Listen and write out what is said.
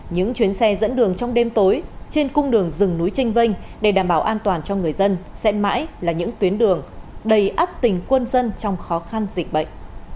những chuyến xe dẫn đường trong đêm tối trên cung đường rừng núi tranh vanh để đảm bảo an toàn cho người dân sẽ mãi là những tuyến đường đầy ấp tình quân dân trong khó khăn dịch bệnh